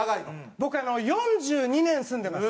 僕あの４２年住んでます。